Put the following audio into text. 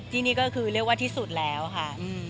ที่นี่ก็คือเรียกว่าที่สุดแล้วค่ะ